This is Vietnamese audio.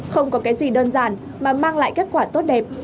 không có cái gì đơn giản mà mang lại kết quả tốt đẹp